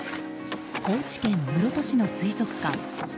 高知県室戸市の水族館。